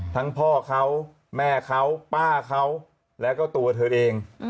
พ่อเขาแม่เขาป้าเขาแล้วก็ตัวเธอเอง